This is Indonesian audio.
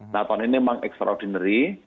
nah tahun ini memang extraordinary